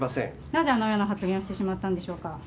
なぜあのような発言をしてしまったのでしょうか。